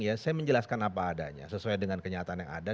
ya saya menjelaskan apa adanya sesuai dengan kenyataan yang ada